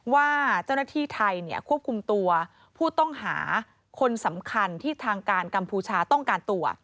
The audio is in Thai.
ว่าเจ้าหน้าที่ไทยควบคุมตัวผู้ต้องหาคนสำคัญที่ทางการกัมพูชาต้องการตัว